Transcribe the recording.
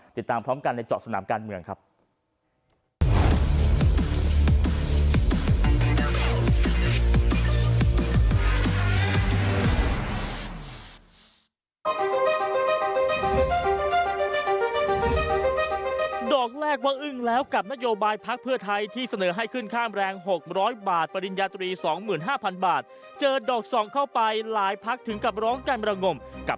ติดตามพร้อมกันในเจาะสนามการเมืองครับ